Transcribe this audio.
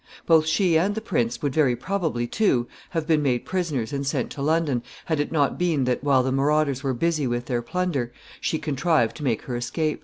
Both she and the prince would very probably, too, have been made prisoners and sent to London, had it not been that, while the marauders were busy with their plunder, she contrived to make her escape.